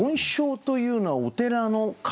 梵鐘というのはお寺の鐘。